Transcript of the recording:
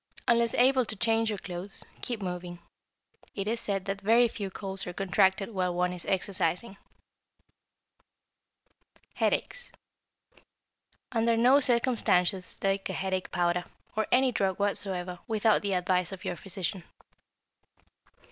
Unless able to change your clothes, keep moving. It is said that very few colds are contracted while one is exercising. =Headaches.= Under no circumstances take a headache powder, or any drug whatsoever, without the advice of your physician.